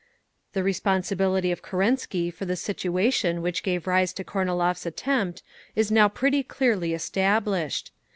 The responsibility of Kerensky for the situation which gave rise to Kornilov's attempt is now pretty clearly established.